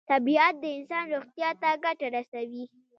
طبیعت د انسان روغتیا ته ګټه رسوي.